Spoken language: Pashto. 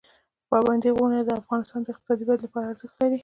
پابندي غرونه د افغانستان د اقتصادي ودې لپاره ارزښت لري.